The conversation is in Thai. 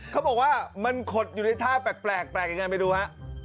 เขาบอกว่ามันขดอยู่ในท่าแปลกยังไงไปดูฮะ